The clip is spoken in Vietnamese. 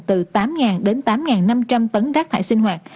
từ tám đến tám năm trăm linh tấn rác thải sinh hoạt